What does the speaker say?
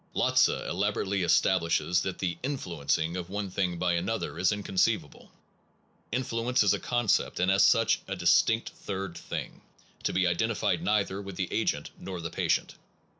Lotze elaborately establishes that the influencing of one thing by another is inconceivable. Influence is a concept, and, as such, a distinct third thing, to be identified neither with the agent nor the patient.